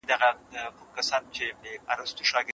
خو ولسمشر په ډېرې ارامۍ سره عسکر ته د حقیقت کیسه بیان کړه.